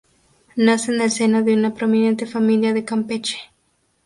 Nace en el seno de una prominente familia de Campeche.